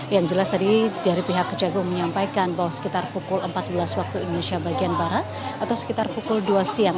yang jelas tadi dari pihak kejagung menyampaikan bahwa sekitar pukul empat belas waktu indonesia bagian barat atau sekitar pukul dua siang